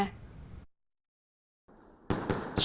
chào các bạn